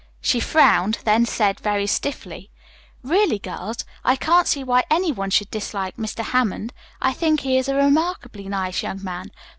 She frowned, then said very stiffly: "Really, girls, I can't see why any one should dislike Mr. Hammond. I think he is a remarkably nice young man.